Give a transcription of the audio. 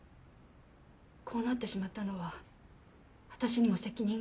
こうなってしまったのは私にも責任がある。